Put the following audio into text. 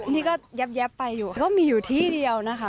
นี่ก็ยับไปอยู่ก็มีอยู่ที่เดียวนะคะ